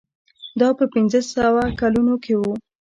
دا په پنځه سوه کلونو کې و.